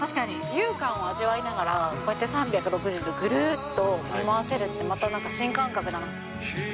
浮遊感を味わいながら、こうやって３６０度ぐるーっと見回せるってまたなんか新感覚だなって。